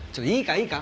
いいか？